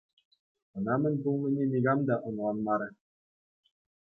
Ӑна мӗн пулнине никам та ӑнланмарӗ.